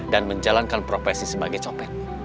dan menjalankan profesi sebagai copet